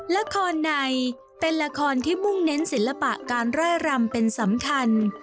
ละครในเป็นละครที่มุ่งเน้นศิลปะการร่ายรำเป็นสำคัญ